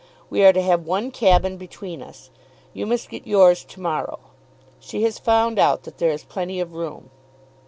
We are to have one cabin between us. You must get yours to morrow. She has found out that there is plenty of room."